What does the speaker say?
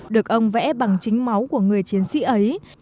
được ông vẽ bằng chính máu của người chiến sĩ ấy